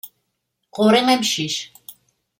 Ɣur-i amcic.